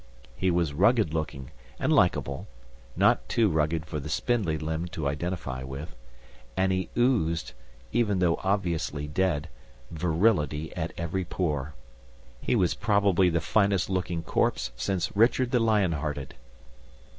He was rugged looking and likable (not too rugged for the spindly limbed to identify with) and he oozed, even though obviously dead, virility at every pore. He was probably the finest looking corpse since Richard the Lion Hearted.